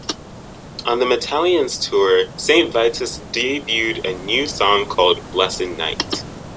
On the Metalliance Tour, Saint Vitus debuted a new song called "Blessed Night".